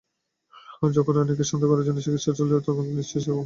যখন রানিকে শান্ত করার জন্য চিকিৎসা চলছিল, সে নিশ্চয়ই তখন পালিয়েছে।